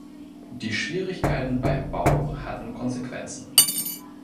Die Schwierigkeiten beim Bau hatten Konsequenzen.